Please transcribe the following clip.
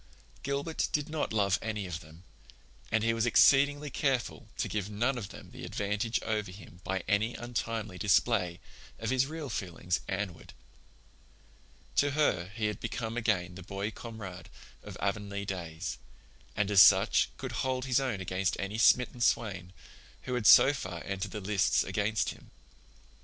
Gilbert did not love any of them, and he was exceedingly careful to give none of them the advantage over him by any untimely display of his real feelings Anne ward. To her he had become again the boy comrade of Avonlea days, and as such could hold his own against any smitten swain who had so far entered the lists against him.